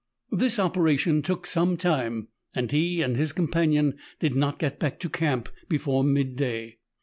This operation took some time, and he and his companion did not get back to camp before midday.